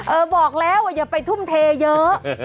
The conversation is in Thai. บอกแล้วว่าอย่าไปทุ่มเทเยอะ